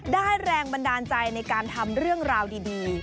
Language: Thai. แรงบันดาลใจในการทำเรื่องราวดี